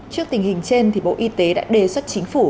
trước tình hình trên bộ y tế đã đề xuất chính phủ